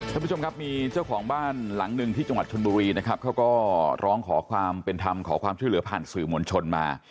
ท่านผู้ชมครับมีเจ้าของบ้านหลังหนึ่งที่จังหวัดชนบุรีนะครับเขาก็ร้องขอความเป็นธรรมขอความช่วยเหลือผ่านสื่อมวลชนมา